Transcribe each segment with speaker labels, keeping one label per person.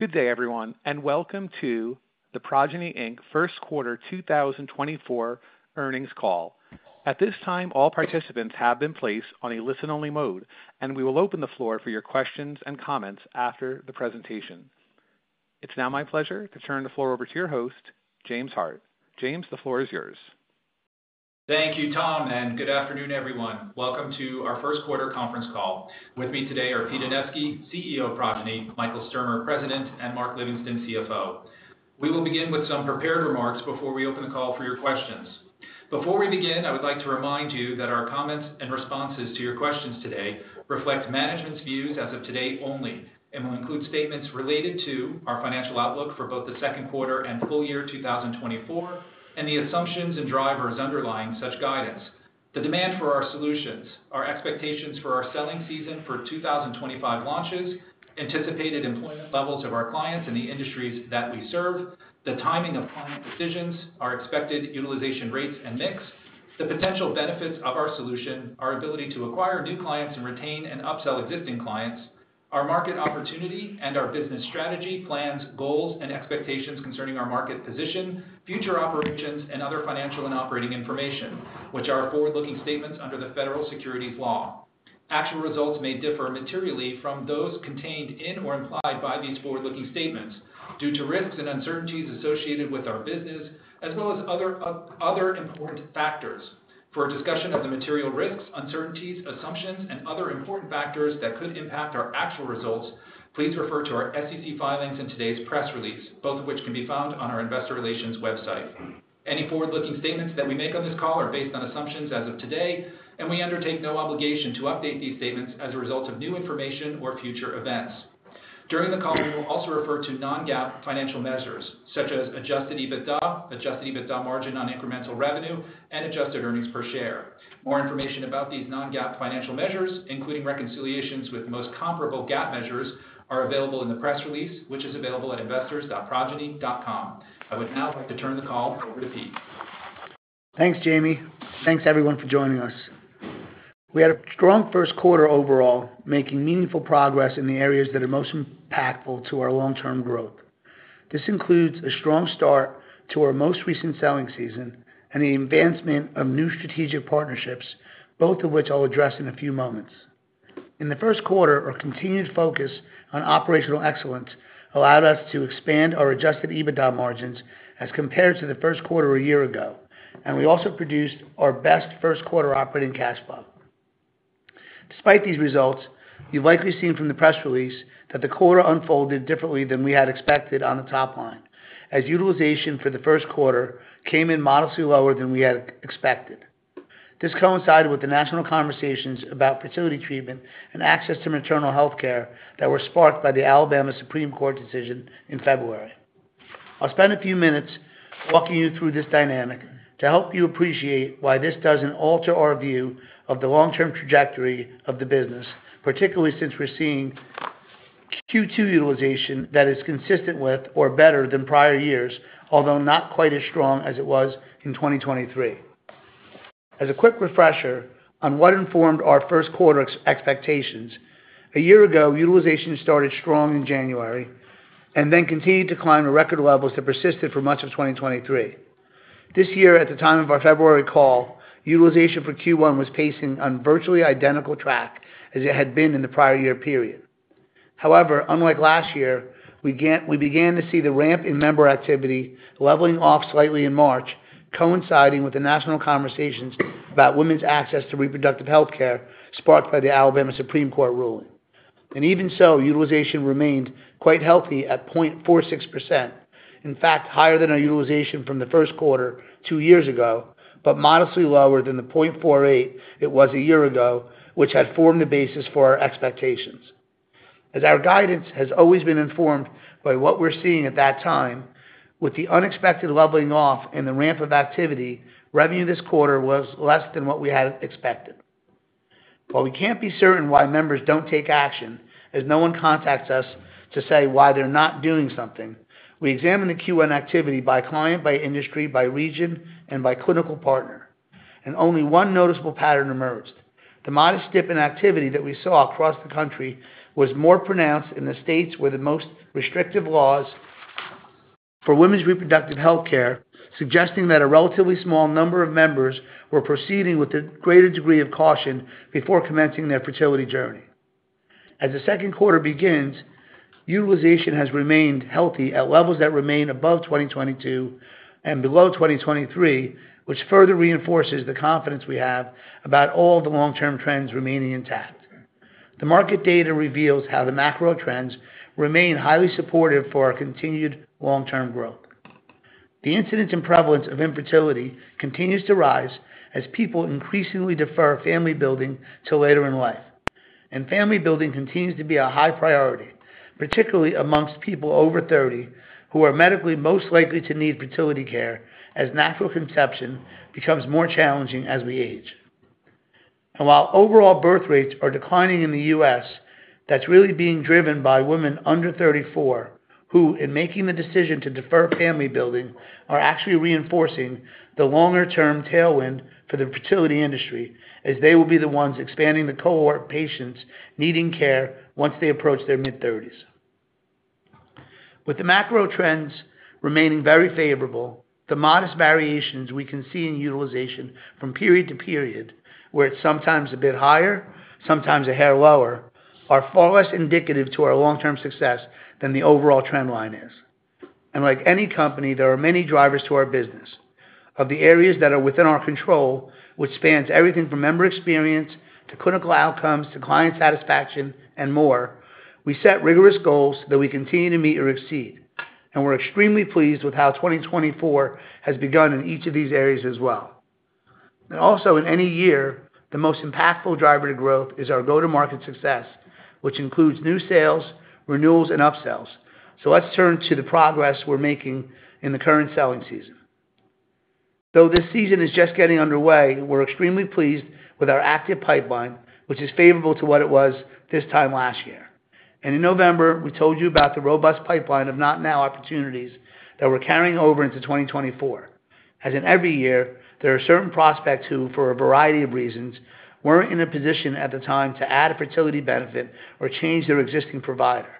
Speaker 1: Good day, everyone, and welcome to the Progyny Inc. first quarter 2024 earnings call. At this time, all participants have been placed on a listen-only mode, and we will open the floor for your questions and comments after the presentation. It's now my pleasure to turn the floor over to your host, James Hart. James, the floor is yours.
Speaker 2: Thank you, Tom, and good afternoon, everyone. Welcome to our first quarter conference call. With me today are Pete Anevski, CEO, Progyny; Michael Sturmer, President; and Mark Livingston, CFO. We will begin with some prepared remarks before we open the call for your questions. Before we begin, I would like to remind you that our comments and responses to your questions today reflect management's views as of today only and will include statements related to our financial outlook for both the second quarter and full year 2024 and the assumptions and drivers underlying such guidance: the demand for our solutions, our expectations for our selling season for 2025 launches, anticipated employment levels of our clients in the industries that we serve, the timing of client decisions, our expected utilization rates and mix, the potential benefits of our solution, our ability to acquire new clients and retain and upsell existing clients, our market opportunity and our business strategy, plans, goals, and expectations concerning our market position, future operations, and other financial and operating information, which are forward-looking statements under the federal securities law. Actual results may differ materially from those contained in or implied by these forward-looking statements due to risks and uncertainties associated with our business as well as other important factors. For a discussion of the material risks, uncertainties, assumptions, and other important factors that could impact our actual results, please refer to our SEC filings and today's press release, both of which can be found on our investor relations website. Any forward-looking statements that we make on this call are based on assumptions as of today, and we undertake no obligation to update these statements as a result of new information or future events. During the call, we will also refer to non-GAAP financial measures such as adjusted EBITDA, adjusted EBITDA margin on incremental revenue, and adjusted earnings per share. More information about these non-GAAP financial measures, including reconciliations with most comparable GAAP measures, is available in the press release, which is available at investors.progyny.com. I would now like to turn the call over to Pete.
Speaker 3: Thanks, Jamie. Thanks, everyone, for joining us. We had a strong first quarter overall, making meaningful progress in the areas that are most impactful to our long-term growth. This includes a strong start to our most recent selling season and the advancement of new strategic partnerships, both of which I'll address in a few moments. In the first quarter, our continued focus on operational excellence allowed us to expand our Adjusted EBITDA margins as compared to the first quarter a year ago, and we also produced our best first quarter operating cash flow. Despite these results, you've likely seen from the press release that the quarter unfolded differently than we had expected on the top line, as utilization for the first quarter came in modestly lower than we had expected. This coincided with the national conversations about fertility treatment and access to maternal health care that were sparked by the Alabama Supreme Court decision in February. I'll spend a few minutes walking you through this dynamic to help you appreciate why this doesn't alter our view of the long-term trajectory of the business, particularly since we're seeing Q2 utilization that is consistent with or better than prior years, although not quite as strong as it was in 2023. As a quick refresher on what informed our first quarter expectations, a year ago, utilization started strong in January and then continued to climb to record levels that persisted for much of 2023. This year, at the time of our February call, utilization for Q1 was pacing on virtually identical track as it had been in the prior year period. However, unlike last year, we began to see the ramp in member activity leveling off slightly in March, coinciding with the national conversations about women's access to reproductive health care sparked by the Alabama Supreme Court ruling. And even so, utilization remained quite healthy at 0.46%, in fact, higher than our utilization from the first quarter two years ago but modestly lower than the 0.48 it was a year ago, which had formed the basis for our expectations. As our guidance has always been informed by what we're seeing at that time, with the unexpected leveling off and the ramp of activity, revenue this quarter was less than what we had expected. While we can't be certain why members don't take action, as no one contacts us to say why they're not doing something, we examined the Q1 activity by client, by industry, by region, and by clinical partner, and only one noticeable pattern emerged: the modest dip in activity that we saw across the country was more pronounced in the states where the most restrictive laws for women's reproductive health care suggesting that a relatively small number of members were proceeding with a greater degree of caution before commencing their fertility journey. As the second quarter begins, utilization has remained healthy at levels that remain above 2022 and below 2023, which further reinforces the confidence we have about all the long-term trends remaining intact. The market data reveals how the macro trends remain highly supportive for our continued long-term growth. The incidence and prevalence of infertility continues to rise as people increasingly defer family building to later in life, and family building continues to be a high priority, particularly amongst people over 30 who are medically most likely to need fertility care as natural conception becomes more challenging as we age. And while overall birth rates are declining in the US, that's really being driven by women under 34 who, in making the decision to defer family building, are actually reinforcing the longer-term tailwind for the fertility industry as they will be the ones expanding the cohort of patients needing care once they approach their mid-30s. With the macro trends remaining very favorable, the modest variations we can see in utilization from period to period, where it's sometimes a bit higher, sometimes a hair lower, are far less indicative to our long-term success than the overall trend line is. Like any company, there are many drivers to our business. Of the areas that are within our control, which spans everything from member experience to clinical outcomes to client satisfaction and more, we set rigorous goals that we continue to meet or exceed, and we're extremely pleased with how 2024 has begun in each of these areas as well. Also, in any year, the most impactful driver to growth is our go-to-market success, which includes new sales, renewals, and upsells. Let's turn to the progress we're making in the current selling season. Though this season is just getting underway, we're extremely pleased with our active pipeline, which is favorable to what it was this time last year. In November, we told you about the robust pipeline of Not Now opportunities that we're carrying over into 2024, as in every year, there are certain prospects who, for a variety of reasons, weren't in a position at the time to add a fertility benefit or change their existing provider.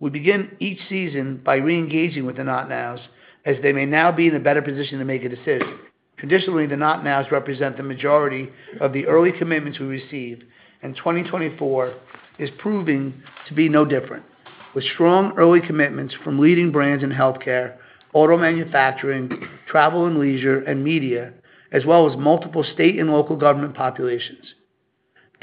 Speaker 3: We begin each season by reengaging with the Not Nows as they may now be in a better position to make a decision. Traditionally, the Not Nows represent the majority of the early commitments we receive, and 2024 is proving to be no different, with strong early commitments from leading brands in health care, auto manufacturing, travel and leisure, and media, as well as multiple state and local government populations.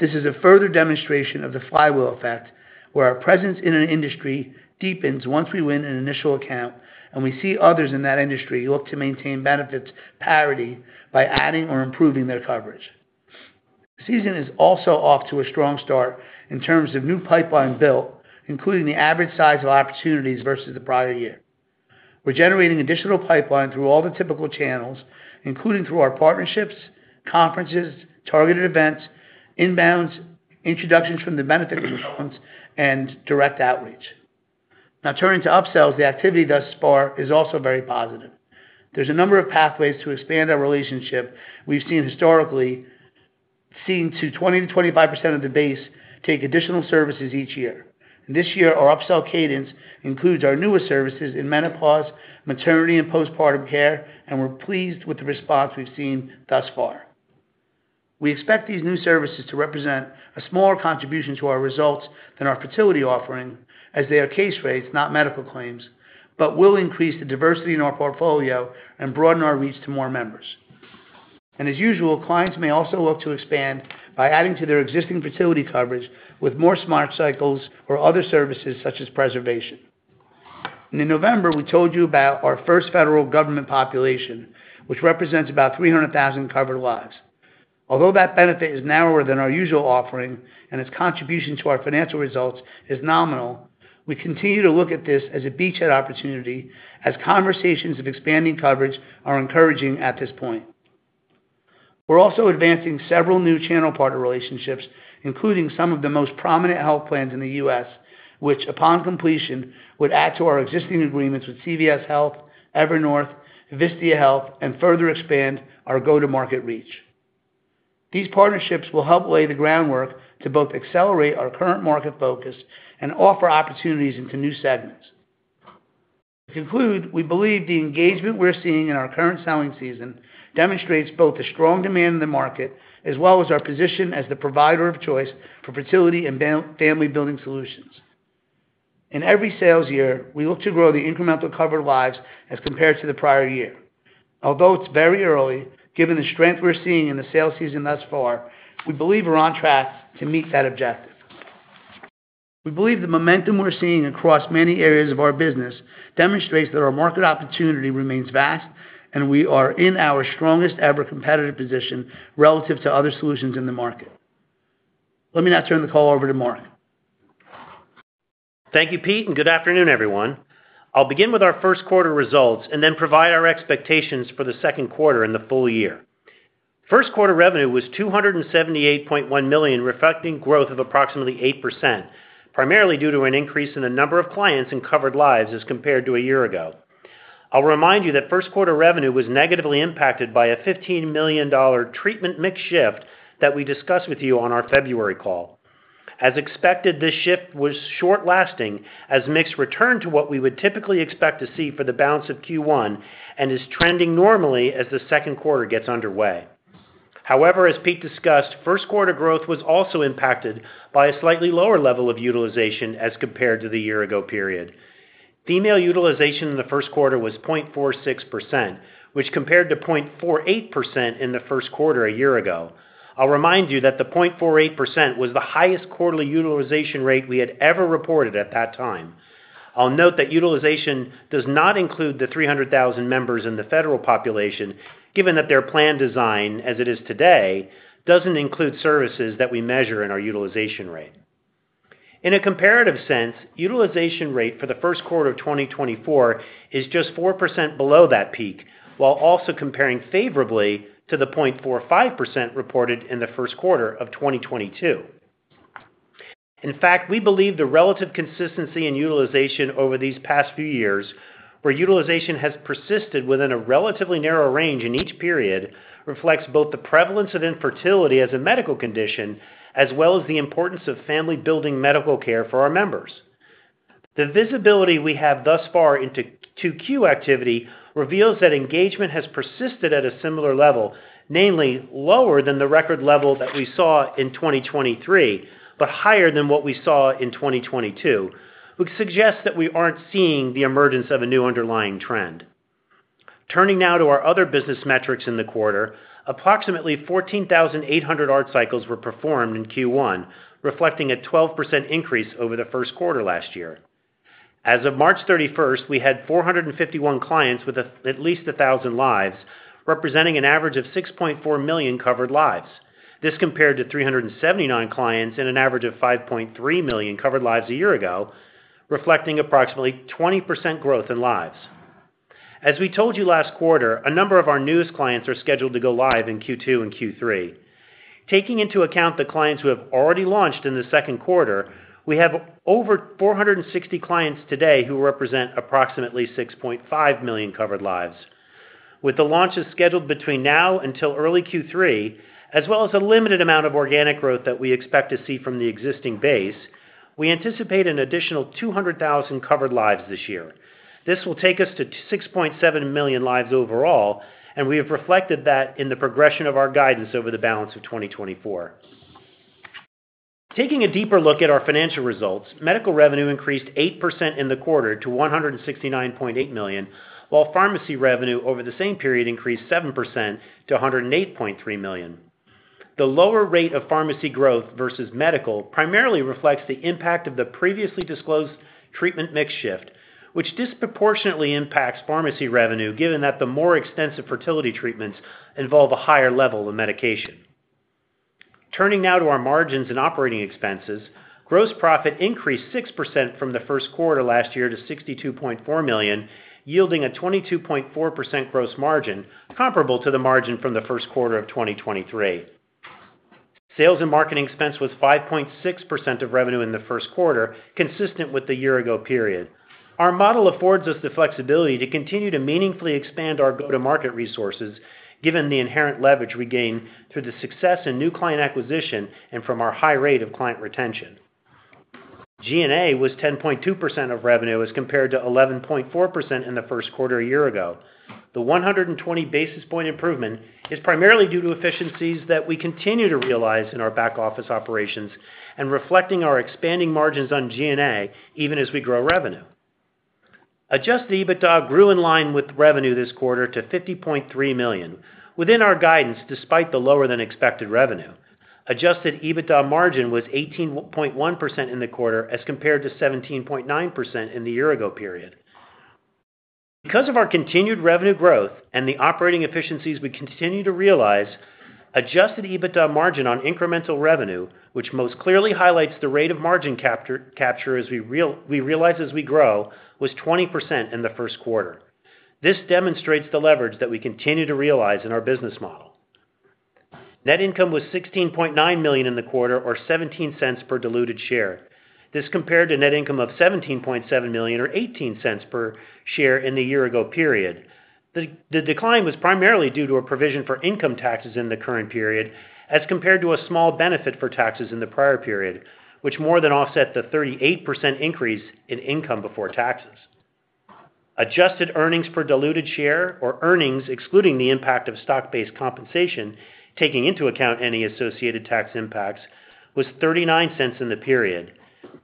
Speaker 3: This is a further demonstration of the flywheel effect, where our presence in an industry deepens once we win an initial account and we see others in that industry look to maintain benefits parity by adding or improving their coverage. The season is also off to a strong start in terms of new pipeline built, including the average size of opportunities versus the prior year. We're generating additional pipeline through all the typical channels, including through our partnerships, conferences, targeted events, inbounds, introductions from the benefit components, and direct outreach. Now, turning to upsells, the activity thus far is also very positive. There's a number of pathways to expand our relationship. We've seen historically 20%-25% of the base take additional services each year. This year, our upsell cadence includes our newest services in menopause, maternity, and postpartum care, and we're pleased with the response we've seen thus far. We expect these new services to represent a smaller contribution to our results than our fertility offering, as they are case rates, not medical claims, but will increase the diversity in our portfolio and broaden our reach to more members. As usual, clients may also look to expand by adding to their existing fertility coverage with more Smart Cycles or other services such as preservation. In November, we told you about our first federal government population, which represents about 300,000 covered lives. Although that benefit is narrower than our usual offering and its contribution to our financial results is nominal, we continue to look at this as a beachhead opportunity, as conversations of expanding coverage are encouraging at this point. We're also advancing several new channel partner relationships, including some of the most prominent health plans in the U.S., which, upon completion, would add to our existing agreements with CVS Health, EverNorth, Vistia Health, and further expand our go-to-market reach. These partnerships will help lay the groundwork to both accelerate our current market focus and offer opportunities into new segments. To conclude, we believe the engagement we're seeing in our current selling season demonstrates both the strong demand in the market as well as our position as the provider of choice for fertility and family building solutions. In every sales year, we look to grow the incremental covered lives as compared to the prior year. Although it's very early, given the strength we're seeing in the sales season thus far, we believe we're on track to meet that objective. We believe the momentum we're seeing across many areas of our business demonstrates that our market opportunity remains vast and we are in our strongest-ever competitive position relative to other solutions in the market. Let me now turn the call over to Mark.
Speaker 4: Thank you, Pete, and good afternoon, everyone. I'll begin with our first quarter results and then provide our expectations for the second quarter and the full year. First quarter revenue was $278.1 million, reflecting growth of approximately 8%, primarily due to an increase in the number of clients and covered lives as compared to a year ago. I'll remind you that first quarter revenue was negatively impacted by a $15 million treatment mix shift that we discussed with you on our February call. As expected, this shift was short-lasting, as mix returned to what we would typically expect to see for the balance of Q1 and is trending normally as the second quarter gets underway. However, as Pete discussed, first quarter growth was also impacted by a slightly lower level of utilization as compared to the year-ago period. Female utilization in the first quarter was 0.46%, which compared to 0.48% in the first quarter a year ago. I'll remind you that the 0.48% was the highest quarterly utilization rate we had ever reported at that time. I'll note that utilization does not include the 300,000 members in the federal population, given that their plan design, as it is today, doesn't include services that we measure in our utilization rate. In a comparative sense, utilization rate for the first quarter of 2024 is just 4% below that peak, while also comparing favorably to the 0.45% reported in the first quarter of 2022. In fact, we believe the relative consistency in utilization over these past few years, where utilization has persisted within a relatively narrow range in each period, reflects both the prevalence of infertility as a medical condition as well as the importance of family-building medical care for our members. The visibility we have thus far into Q2 activity reveals that engagement has persisted at a similar level, namely lower than the record level that we saw in 2023 but higher than what we saw in 2022, which suggests that we aren't seeing the emergence of a new underlying trend. Turning now to our other business metrics in the quarter, approximately 14,800 ART cycles were performed in Q1, reflecting a 12% increase over the first quarter last year. As of March 31st, we had 451 clients with at least 1,000 lives, representing an average of 6.4 million covered lives. This compared to 379 clients and an average of 5.3 million covered lives a year ago, reflecting approximately 20% growth in lives. As we told you last quarter, a number of our newest clients are scheduled to go live in Q2 and Q3. Taking into account the clients who have already launched in the second quarter, we have over 460 clients today who represent approximately 6.5 million covered lives. With the launches scheduled between now until early Q3, as well as a limited amount of organic growth that we expect to see from the existing base, we anticipate an additional 200,000 covered lives this year. This will take us to 6.7 million lives overall, and we have reflected that in the progression of our guidance over the balance of 2024. Taking a deeper look at our financial results, medical revenue increased 8% in the quarter to $169.8 million, while pharmacy revenue over the same period increased 7% to $108.3 million. The lower rate of pharmacy growth versus medical primarily reflects the impact of the previously disclosed treatment mix shift, which disproportionately impacts pharmacy revenue given that the more extensive fertility treatments involve a higher level of medication. Turning now to our margins and operating expenses, gross profit increased 6% from the first quarter last year to $62.4 million, yielding a 22.4% gross margin comparable to the margin from the first quarter of 2023. Sales and marketing expense was 5.6% of revenue in the first quarter, consistent with the year-ago period. Our model affords us the flexibility to continue to meaningfully expand our go-to-market resources, given the inherent leverage we gain through the success in new client acquisition and from our high rate of client retention. G&A was 10.2% of revenue as compared to 11.4% in the first quarter a year ago. The 120 basis point improvement is primarily due to efficiencies that we continue to realize in our back office operations and reflecting our expanding margins on G&A even as we grow revenue. Adjusted EBITDA grew in line with revenue this quarter to $50.3 million, within our guidance despite the lower-than-expected revenue. Adjusted EBITDA margin was 18.1% in the quarter as compared to 17.9% in the year-ago period. Because of our continued revenue growth and the operating efficiencies we continue to realize, Adjusted EBITDA margin on incremental revenue, which most clearly highlights the rate of margin capture as we realize as we grow, was 20% in the first quarter. This demonstrates the leverage that we continue to realize in our business model. Net income was $16.9 million in the quarter, or $0.17 per diluted share. This compared to net income of $17.7 million, or $0.18 per share, in the year-ago period. The decline was primarily due to a provision for income taxes in the current period as compared to a small benefit for taxes in the prior period, which more than offset the 38% increase in income before taxes. Adjusted earnings per diluted share, or earnings excluding the impact of stock-based compensation, taking into account any associated tax impacts, was $0.39 in the period.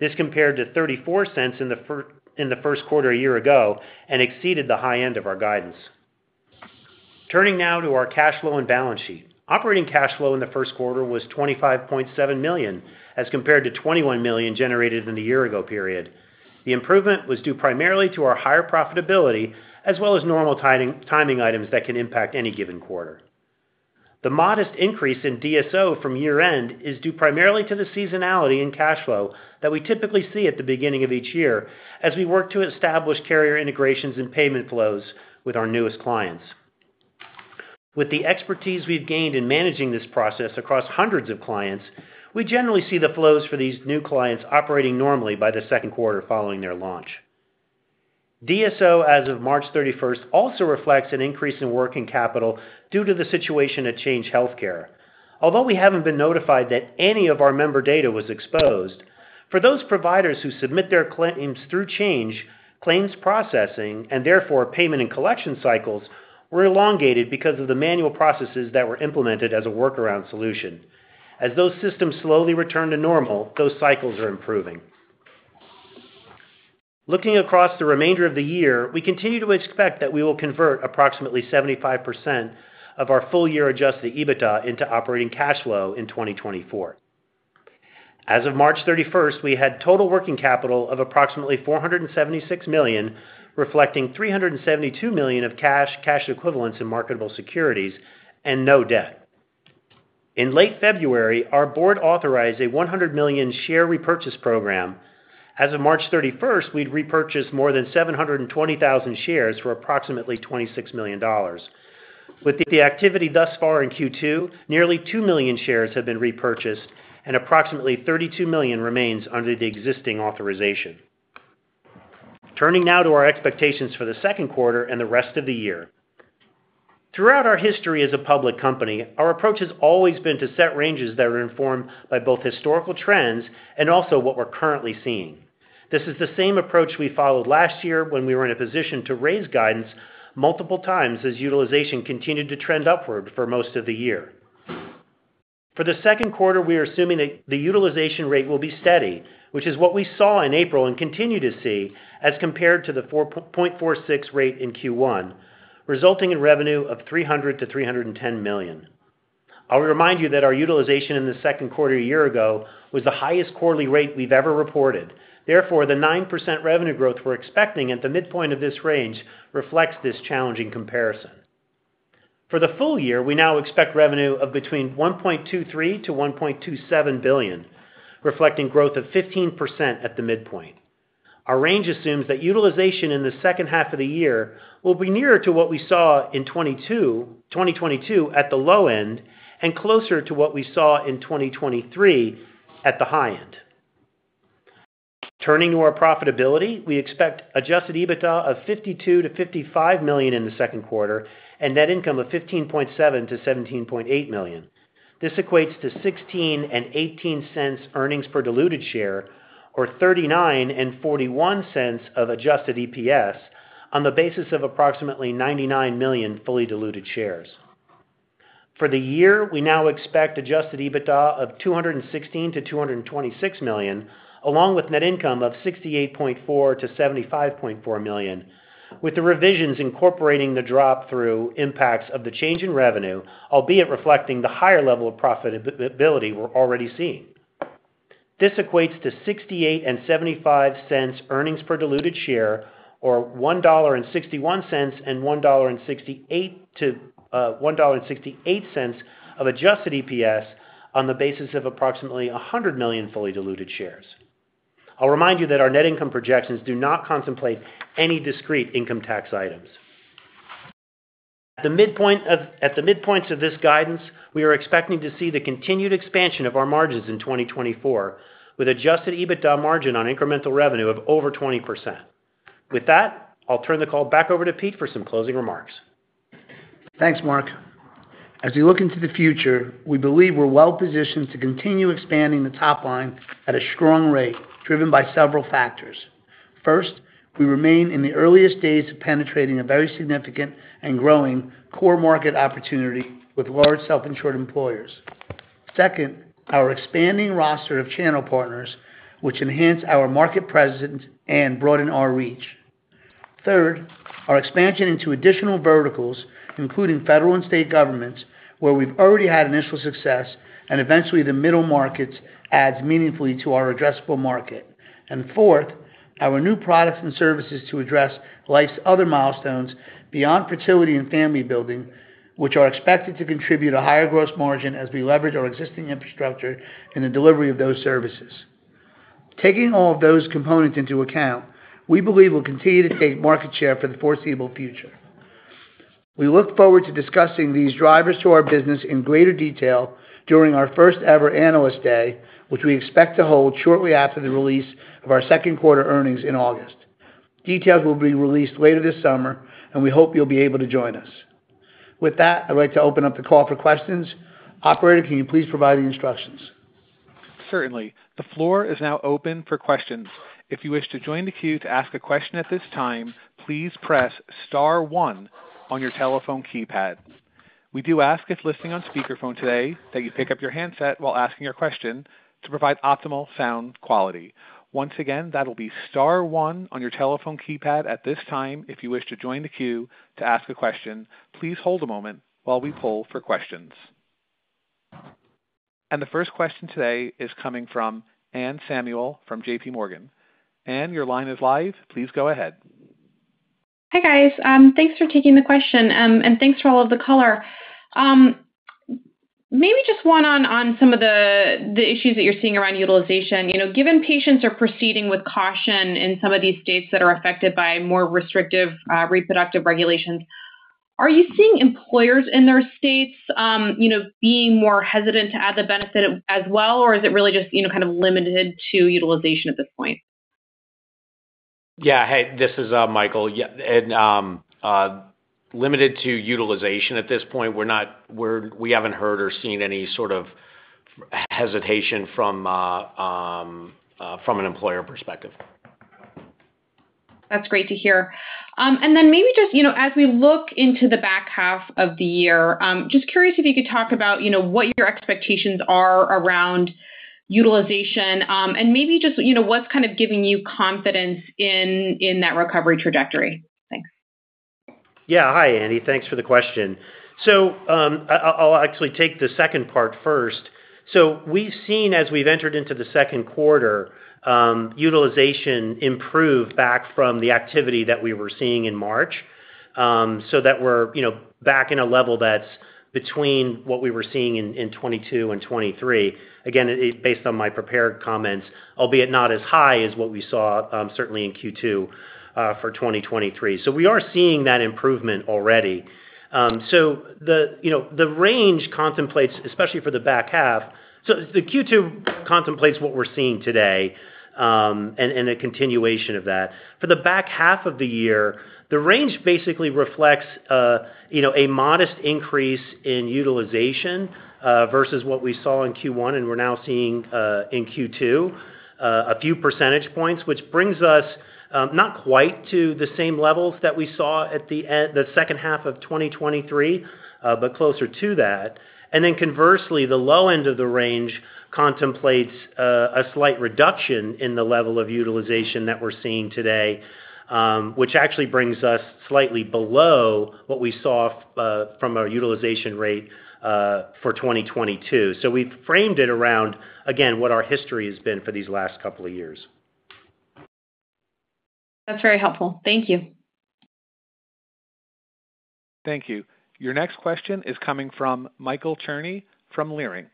Speaker 4: This compared to $0.34 in the first quarter a year ago and exceeded the high end of our guidance. Turning now to our cash flow and balance sheet. Operating cash flow in the first quarter was $25.7 million as compared to $21 million generated in the year-ago period. The improvement was due primarily to our higher profitability as well as normal timing items that can impact any given quarter. The modest increase in DSO from year-end is due primarily to the seasonality in cash flow that we typically see at the beginning of each year as we work to establish carrier integrations and payment flows with our newest clients. With the expertise we've gained in managing this process across hundreds of clients, we generally see the flows for these new clients operating normally by the second quarter following their launch. DSO as of March 31st also reflects an increase in working capital due to the situation at Change Healthcare. Although we haven't been notified that any of our member data was exposed, for those providers who submit their claims through Change, claims processing, and therefore payment and collection cycles were elongated because of the manual processes that were implemented as a workaround solution. As those systems slowly return to normal, those cycles are improving. Looking across the remainder of the year, we continue to expect that we will convert approximately 75% of our full-year Adjusted EBITDA into operating cash flow in 2024. As of March 31st, we had total working capital of approximately $476 million, reflecting $372 million of cash, cash equivalents and marketable securities, and no debt. In late February, our board authorized a $100 million share repurchase program. As of March 31st, we'd repurchased more than 720,000 shares for approximately $26 million. With the activity thus far in Q2, nearly 2 million shares have been repurchased, and approximately $32 million remains under the existing authorization. Turning now to our expectations for the second quarter and the rest of the year. Throughout our history as a public company, our approach has always been to set ranges that are informed by both historical trends and also what we're currently seeing. This is the same approach we followed last year when we were in a position to raise guidance multiple times as utilization continued to trend upward for most of the year. For the second quarter, we are assuming that the utilization rate will be steady, which is what we saw in April and continue to see as compared to the 4.46 rate in Q1, resulting in revenue of $300 million-$310 million. I'll remind you that our utilization in the second quarter a year ago was the highest quarterly rate we've ever reported. Therefore, the 9% revenue growth we're expecting at the midpoint of this range reflects this challenging comparison. For the full year, we now expect revenue of between $1.23 billion to $1.27 billion, reflecting growth of 15% at the midpoint. Our range assumes that utilization in the second half of the year will be nearer to what we saw in 2022 at the low end and closer to what we saw in 2023 at the high end. Turning to our profitability, we expect adjusted EBITDA of $52 million-$55 million in the second quarter and net income of $15.7 million-$17.8 million. This equates to $0.16-$0.18 earnings per diluted share, or $0.39-$0.41 of adjusted EPS on the basis of approximately 99 million fully diluted shares. For the year, we now expect adjusted EBITDA of $216 million-$226 million, along with net income of $68.4 million-$75.4 million, with the revisions incorporating the drop-through impacts of the change in revenue, albeit reflecting the higher level of profitability we're already seeing. This equates to $0.68-$0.75 earnings per diluted share, or $1.61-$1.68 of adjusted EPS on the basis of approximately 100 million fully diluted shares. I'll remind you that our net income projections do not contemplate any discrete income tax items. At the midpoint of this guidance, we are expecting to see the continued expansion of our margins in 2024, with Adjusted EBITDA margin on incremental revenue of over 20%. With that, I'll turn the call back over to Pete for some closing remarks. Thanks, Mark. As we look into the future, we believe we're well positioned to continue expanding the top line at a strong rate driven by several factors. First, we remain in the earliest days of penetrating a very significant and growing core market opportunity with large self-insured employers. Second, our expanding roster of channel partners, which enhance our market presence and broaden our reach. Third, our expansion into additional verticals, including federal and state governments, where we've already had initial success, and eventually the middle markets adds meaningfully to our addressable market. And fourth, our new products and services to address life's other milestones beyond fertility and family building, which are expected to contribute a higher gross margin as we leverage our existing infrastructure in the delivery of those services. Taking all of those components into account, we believe we'll continue to take market share for the foreseeable future. We look forward to discussing these drivers to our business in greater detail during our first-ever analyst day, which we expect to hold shortly after the release of our second quarter earnings in August. Details will be released later this summer, and we hope you'll be able to join us. With that, I'd like to open up the call for questions. Operator, can you please provide the instructions?
Speaker 1: Certainly. The floor is now open for questions. If you wish to join the queue to ask a question at this time, please press star one on your telephone keypad. We do ask if listening on speakerphone today that you pick up your handset while asking your question to provide optimal sound quality. Once again, that'll be star one on your telephone keypad at this time if you wish to join the queue to ask a question. Please hold a moment while we pull for questions. The first question today is coming from Anne Samuel from J.P. Morgan. Ann, your line is live. Please go ahead.
Speaker 5: Hi, guys. Thanks for taking the question, and thanks for all of the color. Maybe just one on some of the issues that you're seeing around utilization. Given patients are proceeding with caution in some of these states that are affected by more restrictive reproductive regulations, are you seeing employers in their states being more hesitant to add the benefit as well, or is it really just kind of limited to utilization at this point?
Speaker 4: Yeah. Hey, this is Michael. And limited to utilization at this point, we haven't heard or seen any sort of hesitation from an employer perspective.
Speaker 5: That's great to hear. And then maybe just as we look into the back half of the year, just curious if you could talk about what your expectations are around utilization and maybe just what's kind of giving you confidence in that recovery trajectory. Thanks.
Speaker 3: Yeah. Hi, Andy. Thanks for the question. So I'll actually take the second part first. So we've seen, as we've entered into the second quarter, utilization improve back from the activity that we were seeing in March so that we're back in a level that's between what we were seeing in 2022 and 2023. Again, based on my prepared comments, albeit not as high as what we saw certainly in Q2 for 2023. So we are seeing that improvement already. So the range contemplates, especially for the back half so the Q2 contemplates what we're seeing today and a continuation of that. For the back half of the year, the range basically reflects a modest increase in utilization versus what we saw in Q1 and we're now seeing in Q2, a few percentage points, which brings us not quite to the same levels that we saw at the second half of 2023 but closer to that. And then conversely, the low end of the range contemplates a slight reduction in the level of utilization that we're seeing today, which actually brings us slightly below what we saw from our utilization rate for 2022. So we've framed it around, again, what our history has been for these last couple of years.
Speaker 5: That's very helpful. Thank you.
Speaker 1: Thank you. Your next question is coming from Michael Cherny from Leerink.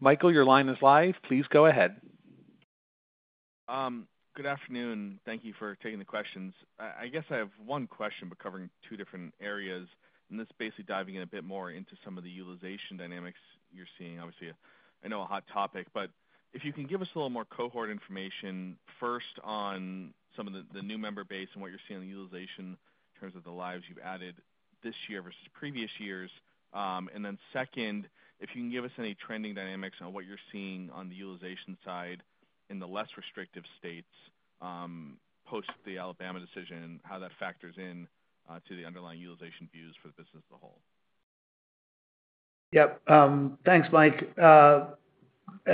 Speaker 1: Michael, your line is live. Please go ahead. Good afternoon.
Speaker 6: Thank you for taking the questions. I guess I have one question but covering two different areas. And this is basically diving in a bit more into some of the utilization dynamics you're seeing. Obviously, I know a hot topic, but if you can give us a little more cohort information, first on some of the new member base and what you're seeing on utilization in terms of the lives you've added this year versus previous years. And then second, if you can give us any trending dynamics on what you're seeing on the utilization side in the less restrictive states post the Alabama decision and how that factors in to the underlying utilization views for the business as a whole.
Speaker 3: Yep. Thanks, Mike. As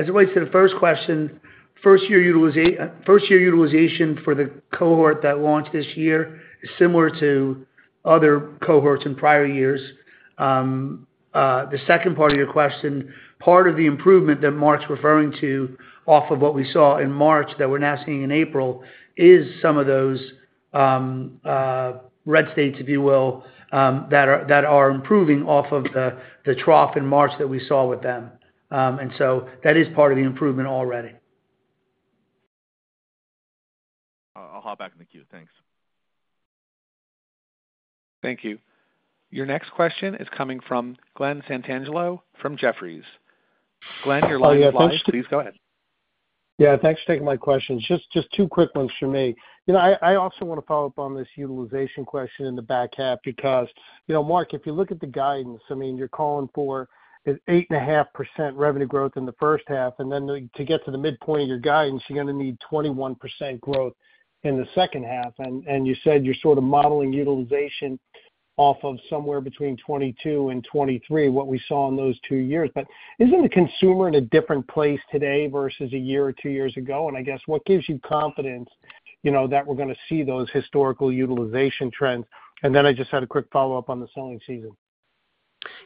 Speaker 3: it relates to the first question, first-year utilization for the cohort that launched this year is similar to other cohorts in prior years. The second part of your question, part of the improvement that Mark's referring to off of what we saw in March that we're now seeing in April is some of those red states, if you will, that are improving off of the trough in March that we saw with them. And so that is part of the improvement already.
Speaker 6: I'll hop back in the queue. Thanks.
Speaker 1: Thank you. Your next question is coming from Glenn Santangelo from Jefferies. Glenn, your line is live. Please go ahead.
Speaker 7: Yeah. Thanks for taking my questions. Just two quick ones from me. I also want to follow up on this utilization question in the back half because, Mark, if you look at the guidance, I mean, you're calling for 8.5% revenue growth in the first half. And then to get to the midpoint of your guidance, you're going to need 21% growth in the second half. And you said you're sort of modeling utilization off of somewhere between 2022 and 2023, what we saw in those two years. But isn't the consumer in a different place today versus a year or two years ago? And I guess what gives you confidence that we're going to see those historical utilization trends? And then I just had a quick follow-up on the selling season.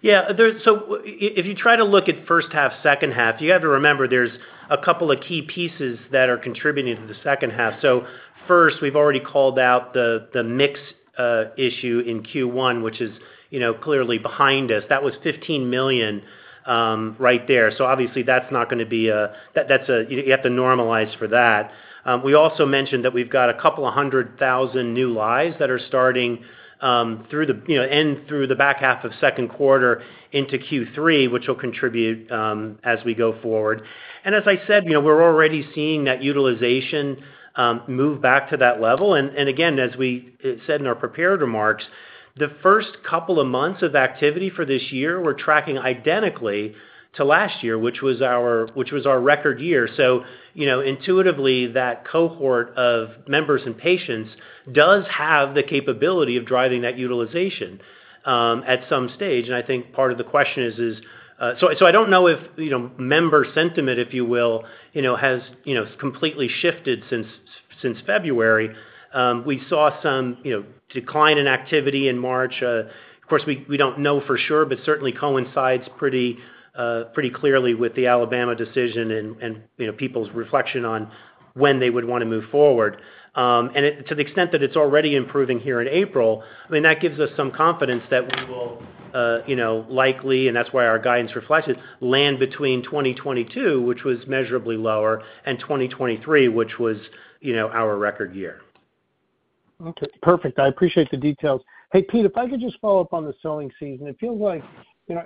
Speaker 4: Yeah. So if you try to look at first half, second half, you have to remember there's a couple of key pieces that are contributing to the second half. So first, we've already called out the mix issue in Q1, which is clearly behind us. That was $15 million right there. So obviously, that's not going to be a – you have to normalize for that. We also mentioned that we've got 200,000 new lives that are starting through the end through the back half of second quarter into Q3, which will contribute as we go forward. As I said, we're already seeing that utilization move back to that level. Again, as we said in our prepared remarks, the first two months of activity for this year, we're tracking identically to last year, which was our record year. Intuitively, that cohort of members and patients does have the capability of driving that utilization at some stage. I think part of the question is, so I don't know if member sentiment, if you will, has completely shifted since February. We saw some decline in activity in March. Of course, we don't know for sure, but certainly coincides pretty clearly with the Alabama decision and people's reflection on when they would want to move forward. And to the extent that it's already improving here in April, I mean, that gives us some confidence that we will likely and that's why our guidance reflects it land between 2022, which was measurably lower, and 2023, which was our record year. Okay.
Speaker 7: Perfect. I appreciate the details. Hey, Pete, if I could just follow up on the selling season. It feels like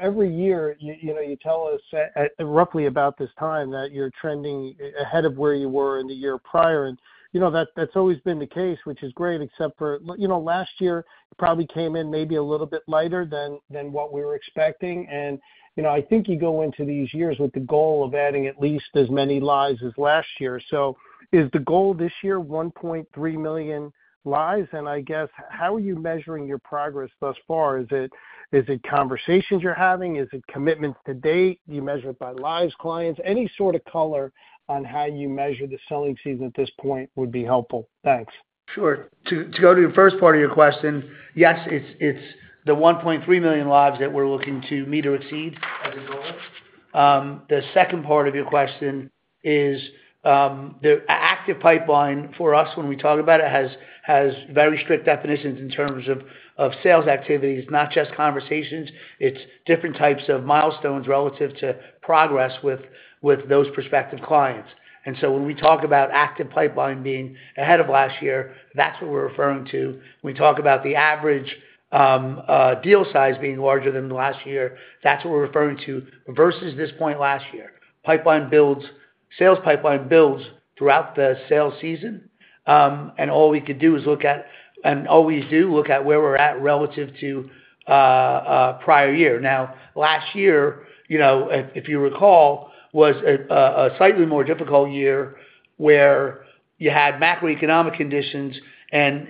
Speaker 7: every year, you tell us roughly about this time that you're trending ahead of where you were in the year prior. And that's always been the case, which is great, except for last year probably came in maybe a little bit lighter than what we were expecting. I think you go into these years with the goal of adding at least as many lives as last year. Is the goal this year 1.3 million lives? I guess how are you measuring your progress thus far? Is it conversations you're having? Is it commitments to date? Do you measure it by lives, clients? Any sort of color on how you measure the selling season at this point would be helpful. Thanks. Sure.
Speaker 3: To go to the first part of your question, yes, it's the 1.3 million lives that we're looking to meet or exceed as a goal. The second part of your question is the active pipeline for us, when we talk about it, has very strict definitions in terms of sales activities, not just conversations. It's different types of milestones relative to progress with those prospective clients. And so when we talk about active pipeline being ahead of last year, that's what we're referring to. When we talk about the average deal size being larger than last year, that's what we're referring to versus this point last year. Sales pipeline builds throughout the sales season. And all we could do is look at and always do look at where we're at relative to prior year. Now, last year, if you recall, was a slightly more difficult year where you had macroeconomic conditions and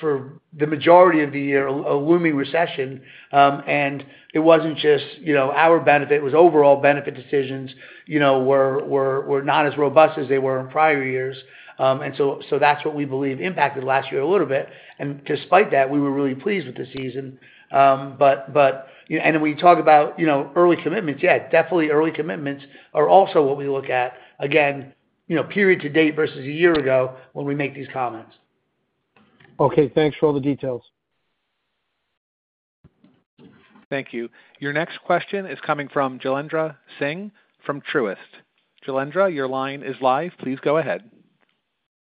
Speaker 3: for the majority of the year, a looming recession. And it wasn't just our benefit. It was overall benefit decisions were not as robust as they were in prior years. And so that's what we believe impacted last year a little bit. And despite that, we were really pleased with the season. And then when you talk about early commitments, yeah, definitely early commitments are also what we look at, again, period to date versus a year ago when we make these comments.
Speaker 7: Okay. Thanks for all the details.
Speaker 1: Thank you. Your next question is coming from Jailendra Singh from Truist. Jailendra, your line is live. Please go ahead.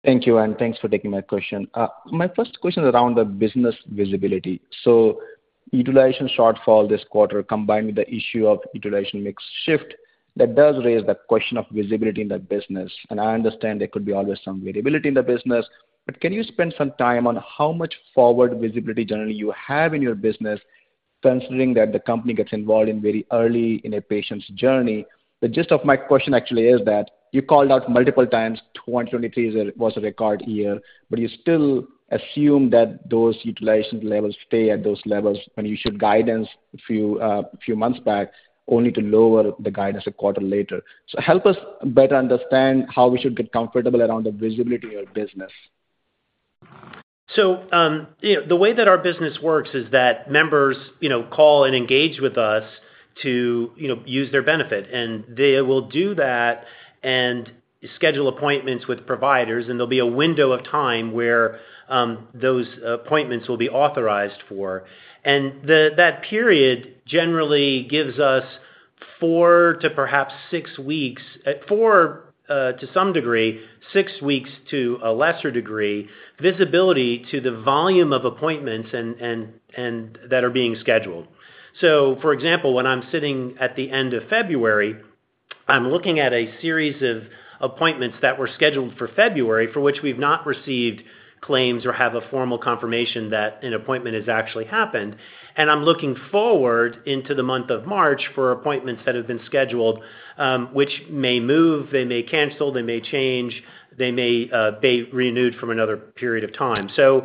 Speaker 8: Thank you, Ann. Thanks for taking my question. My first question is around the business visibility. So utilization shortfall this quarter combined with the issue of utilization mix shift, that does raise the question of visibility in the business. And I understand there could be always some variability in the business, but can you spend some time on how much forward visibility generally you have in your business considering that the company gets involved very early in a patient's journey? The gist of my question actually is that you called out multiple times 2023 was a record year, but you still assume that those utilization levels stay at those levels when you should guidance a few months back only to lower the guidance a quarter later. So help us better understand how we should get comfortable around the visibility in your business.
Speaker 4: So the way that our business works is that members call and engage with us to use their benefit. And they will do that and schedule appointments with providers. And there'll be a window of time where those appointments will be authorized for. And that period generally gives us 4 to perhaps 6 weeks 4 to some degree, 6 weeks to a lesser degree, visibility to the volume of appointments that are being scheduled. So for example, when I'm sitting at the end of February, I'm looking at a series of appointments that were scheduled for February for which we've not received claims or have a formal confirmation that an appointment has actually happened. And I'm looking forward into the month of March for appointments that have been scheduled, which may move, they may cancel, they may change, they may be renewed from another period of time. So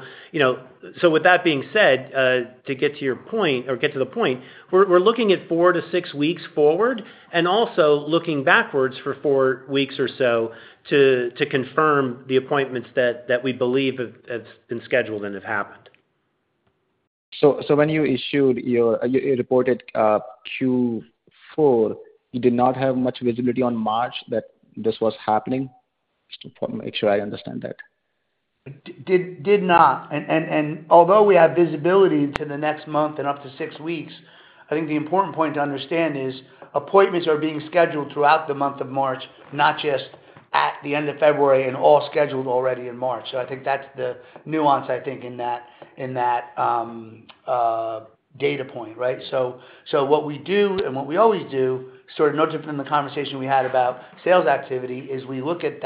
Speaker 4: with that being said, to get to your point or get to the point, we're looking at 4-6 weeks forward and also looking backwards for 4 weeks or so to confirm the appointments that we believe have been scheduled and have happened.
Speaker 8: So when you issued your reported Q4, you did not have much visibility on March that this was happening? Just to make sure I understand that.
Speaker 4: Did not. Although we have visibility into the next month and up to six weeks, I think the important point to understand is appointments are being scheduled throughout the month of March, not just at the end of February and all scheduled already in March. So I think that's the nuance, I think, in that data point, right? So what we do and what we always do, sort of no different than the conversation we had about sales activity, is we look at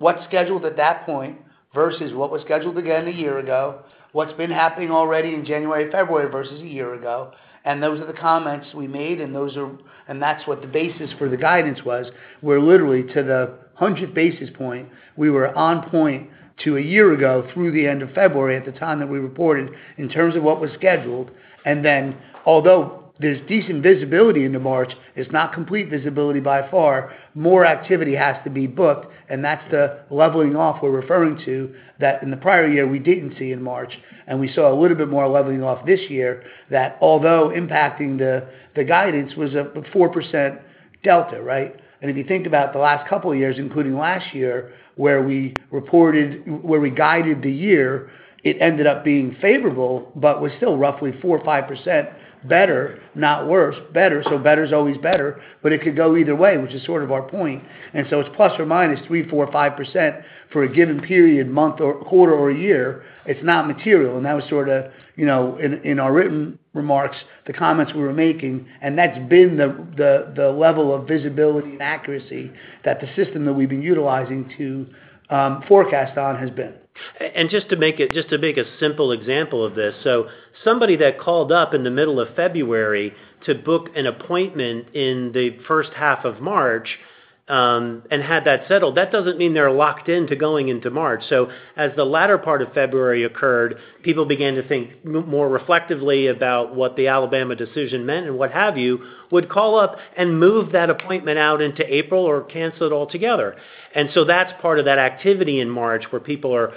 Speaker 4: what's scheduled at that point versus what was scheduled again a year ago, what's been happening already in January, February versus a year ago. Those are the comments we made. That's what the basis for the guidance was, where literally to the 100th basis point, we were on point to a year ago through the end of February at the time that we reported in terms of what was scheduled. And then although there's decent visibility into March, it's not complete visibility by far. More activity has to be booked. And that's the leveling off we're referring to that in the prior year we didn't see in March. And we saw a little bit more leveling off this year that although impacting the guidance was a 4% delta, right? And if you think about the last couple of years, including last year, where we guided the year, it ended up being favorable but was still roughly 4%-5% better, not worse. Better. So better's always better. But it could go either way, which is sort of our point. It's plus or minus 3%-5% for a given period, month, quarter, or year. It's not material. That was sort of in our written remarks, the comments we were making. That's been the level of visibility and accuracy that the system that we've been utilizing to forecast on has been. Just to make a simple example of this, somebody that called up in the middle of February to book an appointment in the first half of March and had that settled, that doesn't mean they're locked into going into March. As the latter part of February occurred, people began to think more reflectively about what the Alabama decision meant and what have you, would call up and move that appointment out into April or cancel it altogether. And so that's part of that activity in March where people are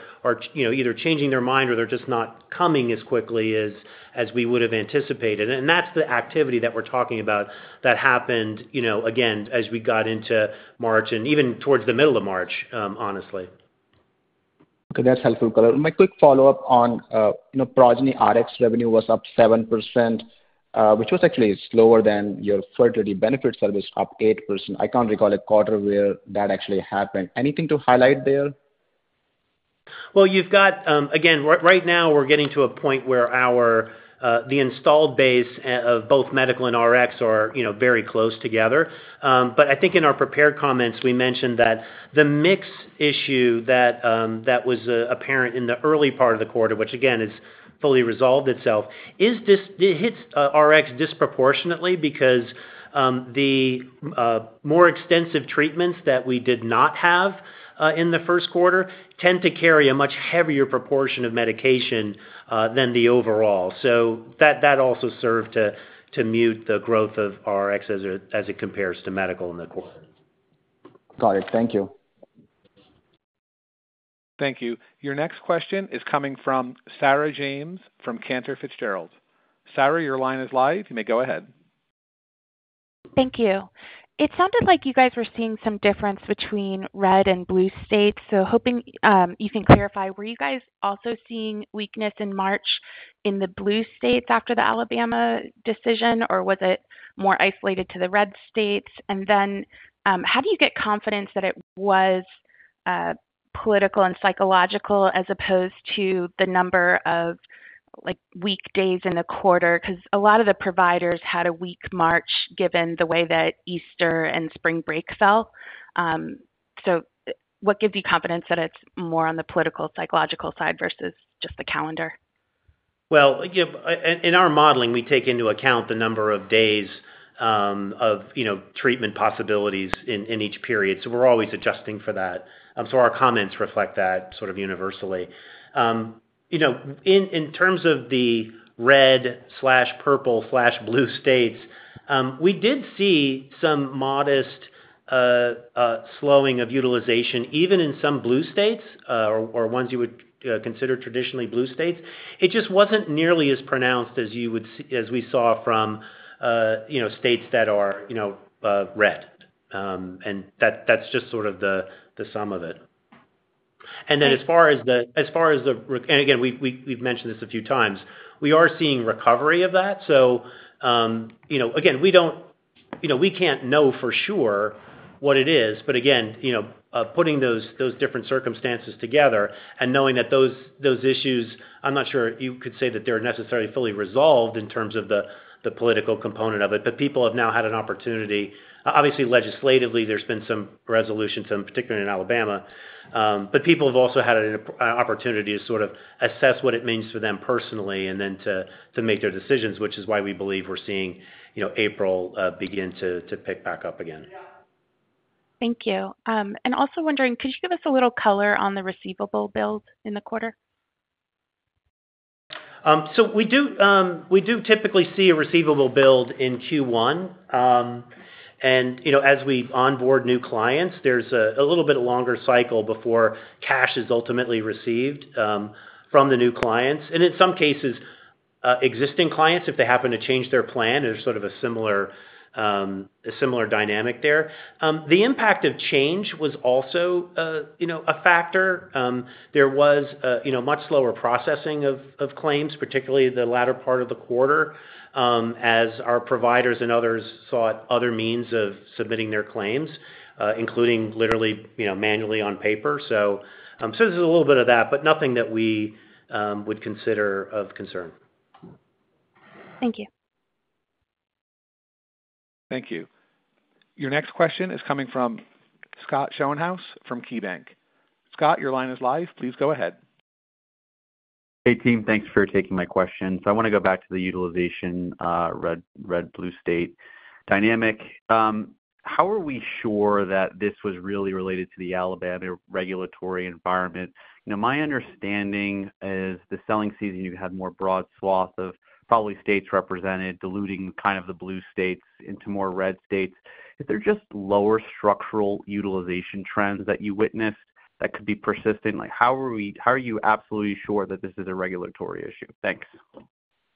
Speaker 4: either changing their mind or they're just not coming as quickly as we would have anticipated. And that's the activity that we're talking about that happened, again, as we got into March and even towards the middle of March, honestly.
Speaker 8: Okay. That's helpful color. My quick follow-up on Progyny Rx revenue was up 7%, which was actually slower than your fertility benefit service, up 8%. I can't recall a quarter where that actually happened. Anything to highlight there?
Speaker 4: Well, again, right now, we're getting to a point where the installed base of both medical and RX are very close together. But I think in our prepared comments, we mentioned that the mix issue that was apparent in the early part of the quarter, which again has fully resolved itself, it hits RX disproportionately because the more extensive treatments that we did not have in the first quarter tend to carry a much heavier proportion of medication than the overall. So that also served to mute the growth of RX as it compares to medical in the quarter.
Speaker 8: Got it. Thank you.
Speaker 1: Thank you. Your next question is coming from Sarah James from Cantor Fitzgerald. Sarah, your line is live. You may go ahead.
Speaker 9: Thank you. It sounded like you guys were seeing some difference between red and blue states. So hoping you can clarify, were you guys also seeing weakness in March in the blue states after the Alabama decision, or was it more isolated to the red states? And then how do you get confidence that it was political and psychological as opposed to the number of weak days in the quarter? Because a lot of the providers had a weak March given the way that Easter and spring break felt. So what gives you confidence that it's more on the political, psychological side versus just the calendar?
Speaker 4: Well, in our modeling, we take into account the number of days of treatment possibilities in each period. So we're always adjusting for that. So our comments reflect that sort of universally. In terms of the red/purple/blue states, we did see some modest slowing of utilization even in some blue states or ones you would consider traditionally blue states. It just wasn't nearly as pronounced as we saw from states that are red. And that's just sort of the sum of it. And then, as far as the and again, we've mentioned this a few times. We are seeing recovery of that. So again, we can't know for sure what it is. But again, putting those different circumstances together and knowing that those issues, I'm not sure you could say that they're necessarily fully resolved in terms of the political component of it. But people have now had an opportunity. Obviously, legislatively, there's been some resolution, particularly in Alabama. But people have also had an opportunity to sort of assess what it means for them personally and then to make their decisions, which is why we believe we're seeing April begin to pick back up again.
Speaker 9: Thank you. And also wondering, could you give us a little color on the receivable build in the quarter?
Speaker 4: So we do typically see a receivable build in Q1. As we onboard new clients, there's a little bit longer cycle before cash is ultimately received from the new clients. In some cases, existing clients, if they happen to change their plan, there's sort of a similar dynamic there. The impact of change was also a factor. There was much slower processing of claims, particularly the latter part of the quarter as our providers and others sought other means of submitting their claims, including literally manually on paper. There's a little bit of that, but nothing that we would consider of concern.
Speaker 1: Thank you. Thank you. Your next question is coming from Scott Schoenhaus from KeyBanc. Scott, your line is live. Please go ahead.
Speaker 10: Hey, team. Thanks for taking my question. I want to go back to the utilization red/blue state dynamic. How are we sure that this was really related to the Alabama regulatory environment? My understanding is the selling season, you had more broad swath of probably states represented, diluting kind of the blue states into more red states. Is there just lower structural utilization trends that you witnessed that could be persistent? How are you absolutely sure that this is a regulatory issue? Thanks.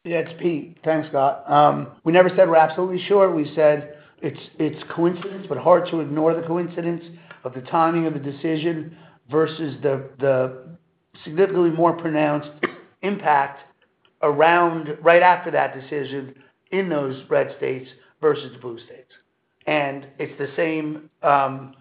Speaker 3: Yeah. It's Pete. Thanks, Scott. We never said we're absolutely sure. We said it's coincidence, but hard to ignore the coincidence of the timing of the decision versus the significantly more pronounced impact right after that decision in those red states versus the blue states. And it's the same trend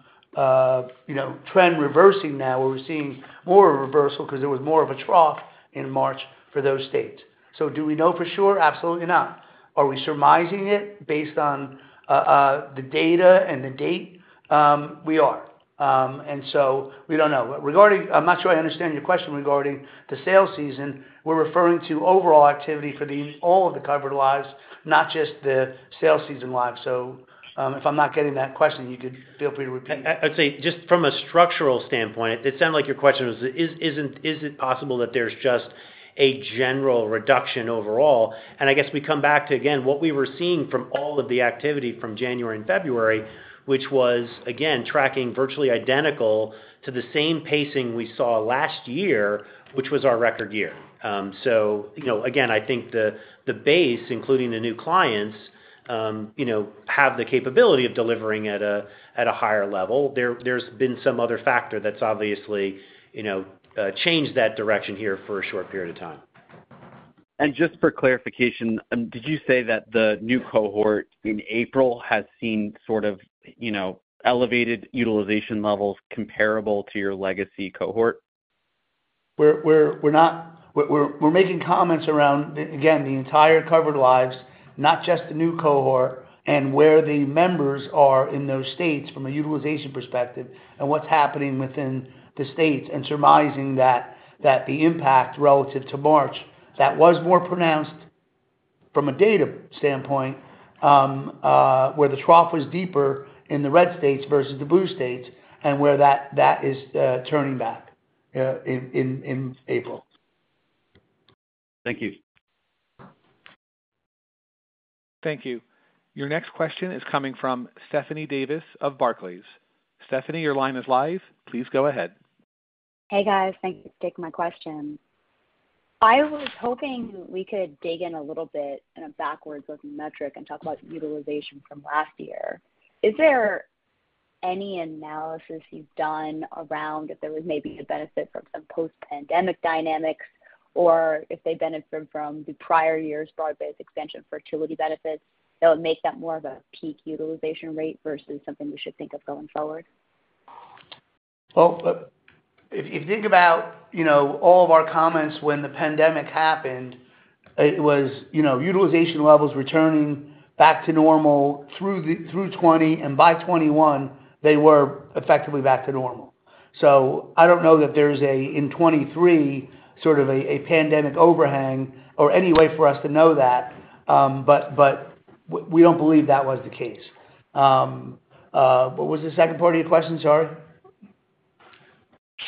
Speaker 3: reversing now where we're seeing more reversal because there was more of a trough in March for those states. So do we know for sure? Absolutely not. Are we surmising it based on the data and the date? We are. And so we don't know. I'm not sure I understand your question regarding the sales season. We're referring to overall activity for all of the covered lives, not just the sales season lives. So if I'm not getting that question, you could feel free to repeat it.
Speaker 4: I'd say just from a structural standpoint, it sounded like your question was, is it possible that there's just a general reduction overall? I guess we come back to, again, what we were seeing from all of the activity from January and February, which was, again, tracking virtually identical to the same pacing we saw last year, which was our record year. So again, I think the base, including the new clients, have the capability of delivering at a higher level. There's been some other factor that's obviously changed that direction here for a short period of time.
Speaker 10: Just for clarification, did you say that the new cohort in April has seen sort of elevated utilization levels comparable to your legacy cohort?
Speaker 3: We're making comments around, again, the entire covered lives, not just the new cohort, and where the members are in those states from a utilization perspective and what's happening within the states and surmising that the impact relative to March that was more pronounced from a data standpoint where the trough was deeper in the red states versus the blue states and where that is turning back in April.
Speaker 10: Thank you.
Speaker 1: Thank you. Your next question is coming from Stephanie Davis of Barclays. Stephanie, your line is live. Please go ahead.
Speaker 11: Hey, guys. Thanks for taking my question. I was hoping we could dig in a little bit in a backwards-looking metric and talk about utilization from last year. Is there any analysis you've done around if there was maybe a benefit from some post-pandemic dynamics or if they benefited from the prior year's broad-based expansion fertility benefits, that would make that more of a peak utilization rate versus something we should think of going forward?
Speaker 3: Well, if you think about all of our comments when the pandemic happened, it was utilization levels returning back to normal through 2020. By 2021, they were effectively back to normal. So I don't know that there's a in 2023 sort of a pandemic overhang or any way for us to know that. But we don't believe that was the case. What was the second part of your question? Sorry.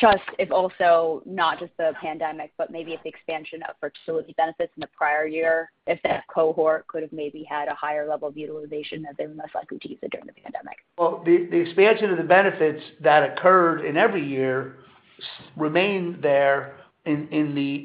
Speaker 11: Trust is also not just the pandemic, but maybe it's the expansion of fertility benefits in the prior year, if that cohort could have maybe had a higher level of utilization that they were less likely to use during the pandemic.
Speaker 3: Well, the expansion of the benefits that occurred in every year remained there in the,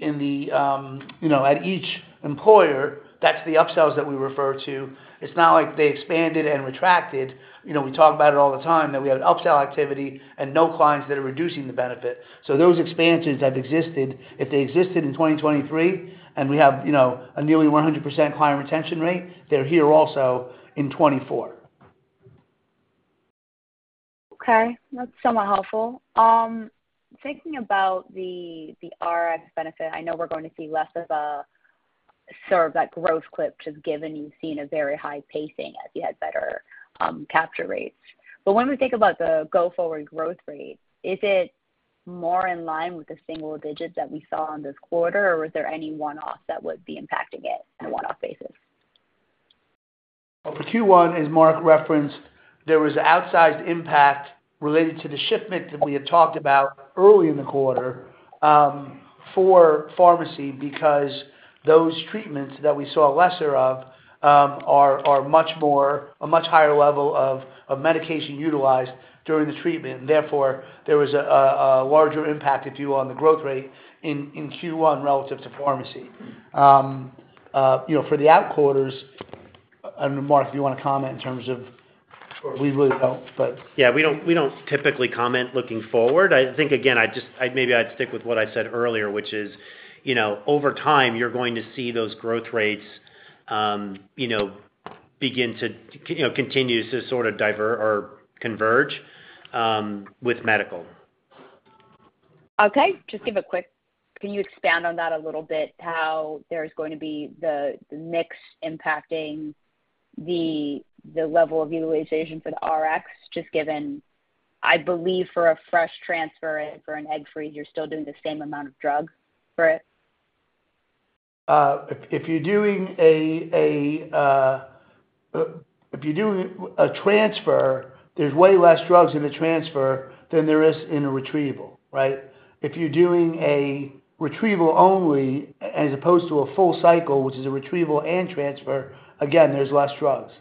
Speaker 3: at each employer. That's the upsells that we refer to. It's not like they expanded and retracted. We talk about it all the time that we had upsell activity and no clients that are reducing the benefit. So those expansions that existed, if they existed in 2023 and we have a nearly 100% client retention rate, they're here also in 2024.
Speaker 11: Okay. That's somewhat helpful. Thinking about the RX benefit, I know we're going to see less of a sort of that growth clip just given you've seen a very high pacing as you had better capture rates. But when we think about the go-forward growth rate, is it more in line with the single digits that we saw in this quarter, or was there any one-off that would be impacting it on a one-off basis?
Speaker 3: Well, for Q1, as Mark referenced, there was an outsized impact related to the shipment that we had talked about early in the quarter for pharmacy because those treatments that we saw lesser of are a much higher level of medication utilized during the treatment. And therefore, there was a larger impact, if you will, on the growth rate in Q1 relative to pharmacy. For the out quarters, I don't know, Mark, if you want to comment in terms of we really don't, but.
Speaker 4: Yeah. We don't typically comment looking forward. I think, again, maybe I'd stick with what I said earlier, which is over time, you're going to see those growth rates begin to continue to sort of diverge or converge with medical.
Speaker 11: Okay. Just give a quick, can you expand on that a little bit, how there's going to be the mix impacting the level of utilization for the RX, just given, I believe, for a fresh transfer and for an egg freeze, you're still doing the same amount of drug for it? If you're doing a transfer, there's way less drugs in the transfer than there is in a retrieval, right?
Speaker 3: If you're doing a retrieval only as opposed to a full cycle, which is a retrieval and transfer, again, there's less drugs.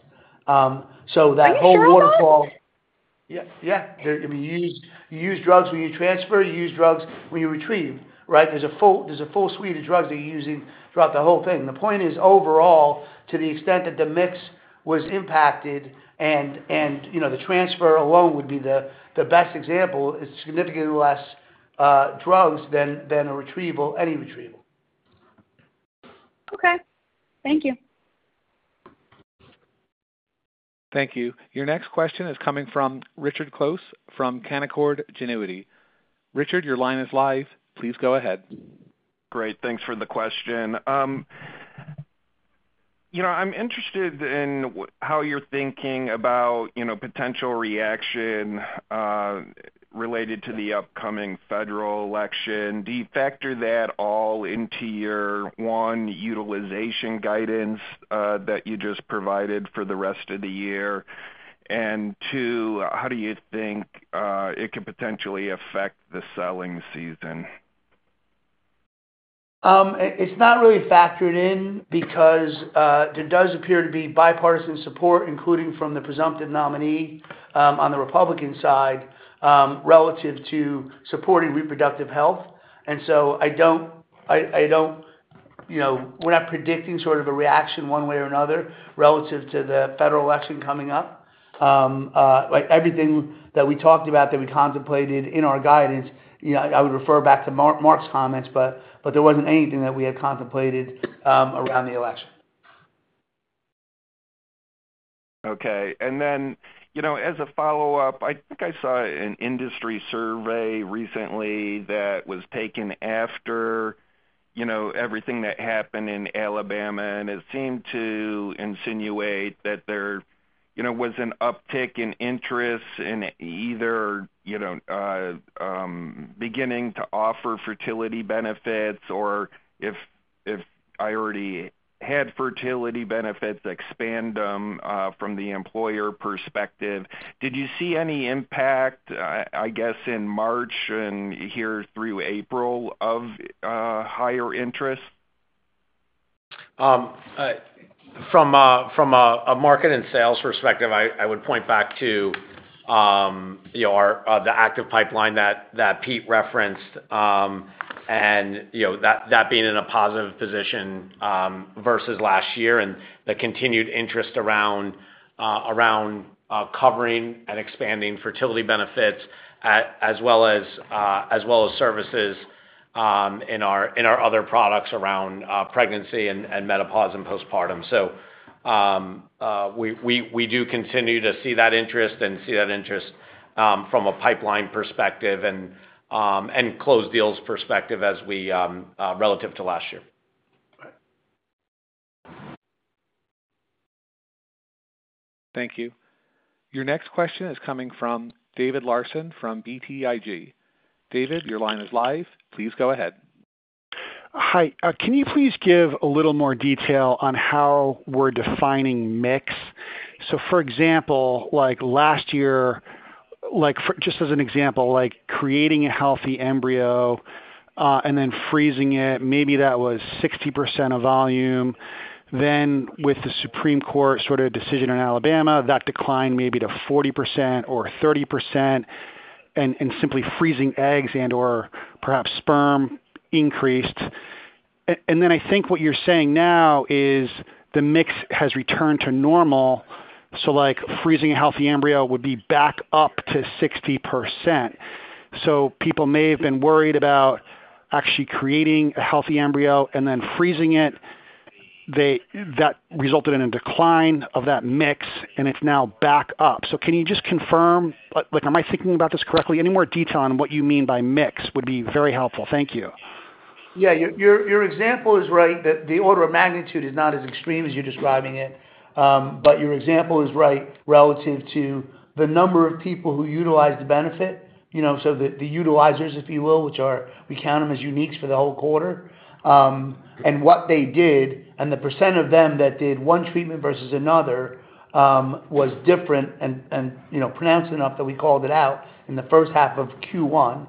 Speaker 3: So that whole waterfall. Can you share that? Yeah. Yeah. I mean, you use drugs when you transfer. You use drugs when you retrieve, right? There's a full suite of drugs that you're using throughout the whole thing. The point is, overall, to the extent that the mix was impacted and the transfer alone would be the best example, it's significantly less drugs than any retrieval.
Speaker 11: Okay. Thank you.
Speaker 1: Thank you. Your next question is coming from Richard Close from Canaccord Genuity. Richard, your line is live. Please go ahead.
Speaker 3: Great. Thanks for the question. I'm interested in how you're thinking about potential reaction related to the upcoming federal election.
Speaker 12: Do you factor that all into your, one, utilization guidance that you just provided for the rest of the year? And two, how do you think it could potentially affect the selling season?
Speaker 3: It's not really factored in because there does appear to be bipartisan support, including from the presumptive nominee on the Republican side, relative to supporting reproductive health. And so I don't we're not predicting sort of a reaction one way or another relative to the federal election coming up. Everything that we talked about that we contemplated in our guidance, I would refer back to Mark's comments, but there wasn't anything that we had contemplated around the election.
Speaker 12: Okay. Then as a follow-up, I think I saw an industry survey recently that was taken after everything that happened in Alabama. It seemed to insinuate that there was an uptick in interest in either beginning to offer fertility benefits or, if I already had fertility benefits, expand them from the employer perspective. Did you see any impact, I guess, in March and here through April of higher interest?
Speaker 4: From a market and sales perspective, I would point back to the active pipeline that Pete referenced and that being in a positive position versus last year and the continued interest around covering and expanding fertility benefits as well as services in our other products around pregnancy and menopause and postpartum. We do continue to see that interest and see that interest from a pipeline perspective and closed deals perspective relative to last year.
Speaker 1: Thank you. Your next question is coming from David Larsen from BTIG. David, your line is live. Please go ahead. Hi.
Speaker 13: Can you please give a little more detail on how we're defining mix? So for example, last year, just as an example, creating a healthy embryo and then freezing it, maybe that was 60% of volume. Then with the Supreme Court sort of decision in Alabama, that declined maybe to 40% or 30%. And simply freezing eggs and/or perhaps sperm increased. And then I think what you're saying now is the mix has returned to normal. So freezing a healthy embryo would be back up to 60%. So people may have been worried about actually creating a healthy embryo and then freezing it. That resulted in a decline of that mix, and it's now back up. So can you just confirm am I thinking about this correctly? Any more detail on what you mean by mix would be very helpful. Thank you.
Speaker 3: Yeah. Your example is right that the order of magnitude is not as extreme as you're describing it. Your example is right relative to the number of people who utilized the benefit, so the utilizers, if you will, which we count them as uniques for the whole quarter, and what they did and the percent of them that did one treatment versus another was different and pronounced enough that we called it out in the first half of Q1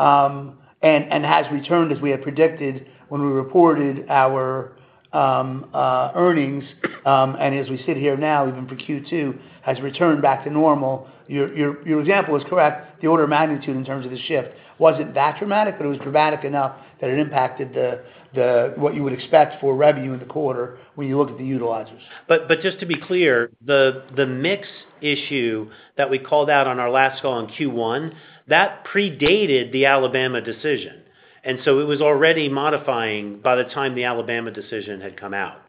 Speaker 3: and has returned as we had predicted when we reported our earnings. As we sit here now, even for Q2, has returned back to normal. Your example is correct. The order of magnitude in terms of the shift wasn't that dramatic, but it was dramatic enough that it impacted what you would expect for revenue in the quarter when you look at the utilizers.
Speaker 4: But just to be clear, the mix issue that we called out on our last call in Q1, that predated the Alabama decision. And so it was already modifying by the time the Alabama decision had come out.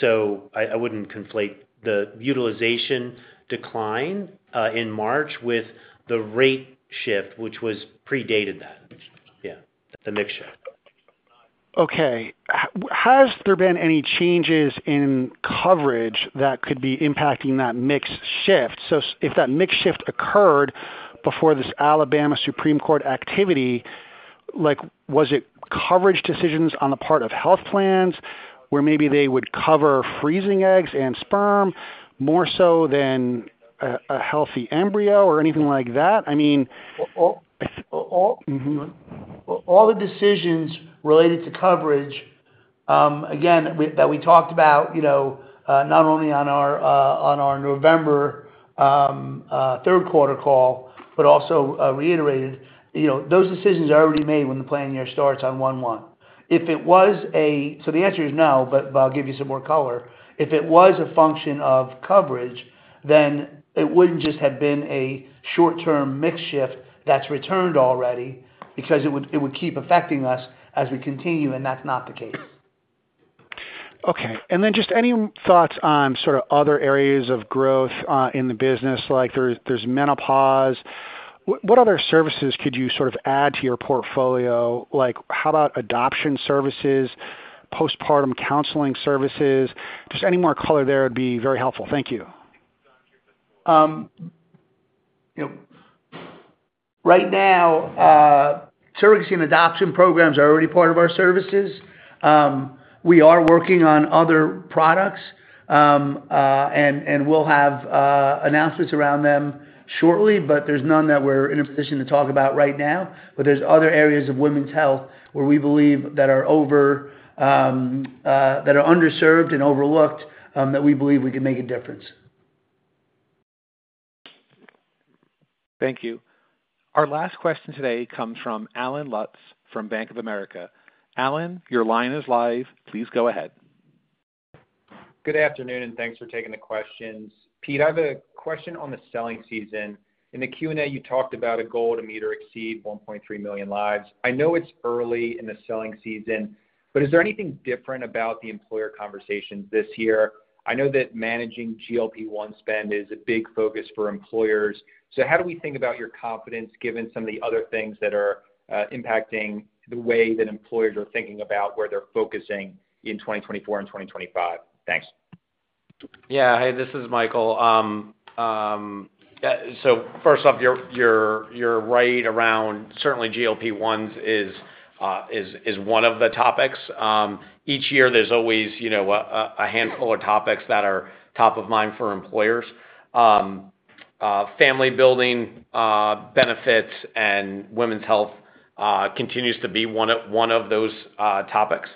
Speaker 4: So I wouldn't conflate the utilization decline in March with the rate shift, which predated that, yeah, the mix shift.
Speaker 13: Okay.Has there been any changes in coverage that could be impacting that mix shift? So if that mix shift occurred before this Alabama Supreme Court activity, was it coverage decisions on the part of health plans where maybe they would cover freezing eggs and sperm more so than a healthy embryo or anything like that? I mean. All the decisions related to coverage, again, that we talked about not only on our November third-quarter call but also reiterated, those decisions are already made when the plan year starts on 1/1.
Speaker 4: If it was, so the answer is no, but I'll give you some more color. If it was a function of coverage, then it wouldn't just have been a short-term mix shift that's returned already because it would keep affecting us as we continue. And that's not the case. Okay. And then just any thoughts on sort of other areas of growth in the business? There's menopause. What other services could you sort of add to your portfolio? How about adoption services, postpartum counseling services? Just any more color there would be very helpful. Thank you.
Speaker 3: Right now, surrogacy and adoption programs are already part of our services. We are working on other products. And we'll have announcements around them shortly, but there's none that we're in a position to talk about right now. There's other areas of women's health where we believe that are underserved and overlooked that we believe we can make a difference.
Speaker 1: Thank you. Our last question today comes from Alan Lutz from Bank of America. Alan, your line is live. Please go ahead.
Speaker 13: Good afternoon, and thanks for taking the questions. Pete, I have a question on the selling season. In the Q&A, you talked about a goal to meet or exceed 1.3 million lives. I know it's early in the selling season, but is there anything different about the employer conversations this year? I know that managing GLP-1 spend is a big focus for employers. So how do we think about your confidence given some of the other things that are impacting the way that employers are thinking about where they're focusing in 2024 and 2025? Thanks.
Speaker 4: Yeah. Hey, this is Michael.
Speaker 6: So first off, you're right around certainly, GLP-1s is one of the topics. Each year, there's always a handful of topics that are top of mind for employers. Family-building benefits and women's health continues to be one of those topics.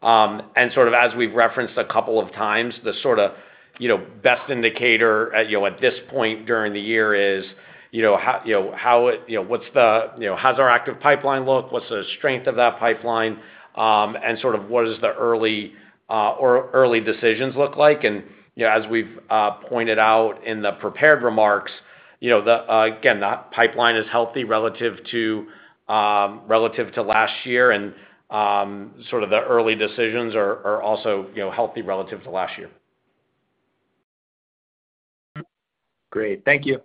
Speaker 6: And sort of as we've referenced a couple of times, the sort of best indicator at this point during the year is how does our active pipeline look? What's the strength of that pipeline? And sort of what does the early decisions look like? And as we've pointed out in the prepared remarks, again, that pipeline is healthy relative to last year. And sort of the early decisions are also healthy relative to last year. Great.
Speaker 13: Thank you.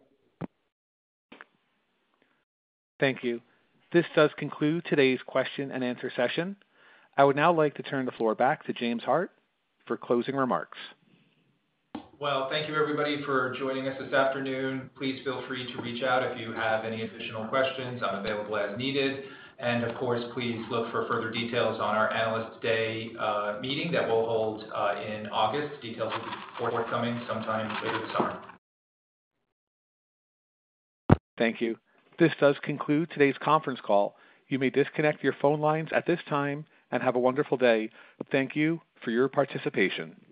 Speaker 1: Thank you. This does conclude today's question and answer session. I would now like to turn the floor back to James Hart for closing remarks.
Speaker 2: Well, thank you, everybody, for joining us this afternoon. Please feel free to reach out if you have any additional questions. I'm available as needed. And of course, please look for further details on our analysts' day meeting that we'll hold in August. Details will be forthcoming sometime later this summer. Thank you. This does conclude today's conference call. You may disconnect your phone lines at this time and have a wonderful day. Thank you for your participation.